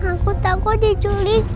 aku takut diculik